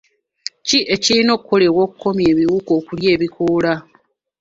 Ki ekirina okukolebwa okukomya ebiwuka okulya ebikoola?